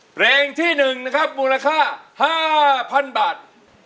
เพลงที่๑นะครับมูลค่า๕๐๐๐บาท